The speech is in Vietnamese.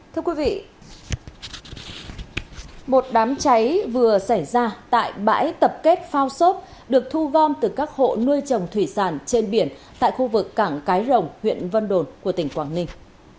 thưa quý vị một đám cháy vừa xảy ra tại bãi tập kết phao xốp được thu gom từ các hộ nuôi trồng thủy sản trên biển tại khu vực cảng cái rồng huyện vân đồn của tỉnh quảng ninh